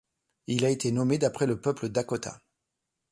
Il a été nommé d'après le peuple Dakota.